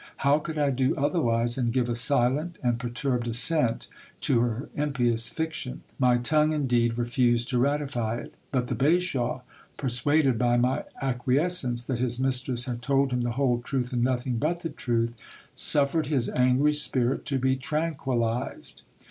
How could I do otherwise than give a silent and per turbed assent to her impious fiction ? My tongue, indeed, refused to ratify it ; but the bashaw, persuaded by my acquiescence that his mistress had told him the whole truth and nothing but the truth, suffered his angry spirit to be tran quillized.